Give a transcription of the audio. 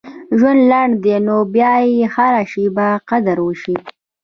• ژوند لنډ دی، نو باید هره شیبه یې قدر وشي.